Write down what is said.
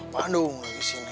bandung lagi sini